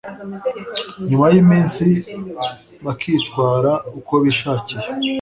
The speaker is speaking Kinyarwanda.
nyuma yiminsi bakitwara uko bishakiye .